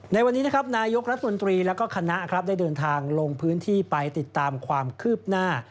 ในวันนี้นะครับนายกรัฐมนตรีแล้วก็คณะครับได้เดินทางลงพื้นที่ไปติดตามความคืบหน้า